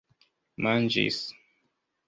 manĝis